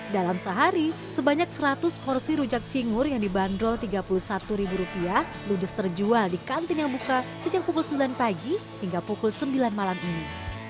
dalam sehari sebanyak seratus porsi rujak cingur yang dibanderol rp tiga puluh satu ludes terjual di kantin yang buka sejak pukul sembilan pagi hingga pukul sembilan malam ini